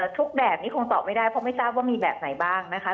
ทุกแบบนี้คงตอบไม่ได้เพราะไม่ทราบว่ามีแบบไหนบ้างนะคะ